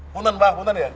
buntun bah buntun ya